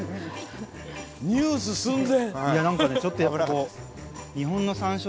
ニュース寸前！